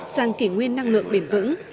sang kỷ nguyên năng lượng bền vững